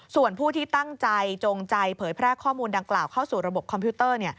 ส่วนผู้ที่ตั้งใจจงใจเผยแพร่ข้อมูลดังกล่าวเข้าสู่ระบบคอมพิวเตอร์